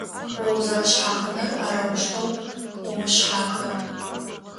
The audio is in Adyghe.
О узэрэшъхьахынэр - арэущтэу умышъхьахын.